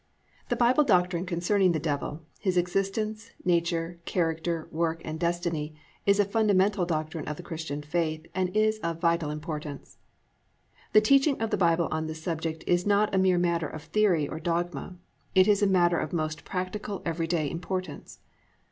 "+ The Bible doctrine concerning the Devil, his Existence, Nature, Character, Work and Destiny is a fundamental doctrine of the Christian faith, and is of vital importance. The teaching of the Bible on this subject is not a mere matter of theory or dogma. It is a matter of most practical every day importance.